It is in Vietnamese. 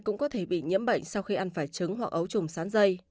các người có thể bị nhiễm bệnh sau khi ăn phải trứng hoặc ấu trùng sán dây